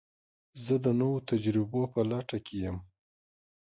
زه د نوو تجربو په لټه کې یم.